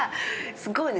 ◆すごいね！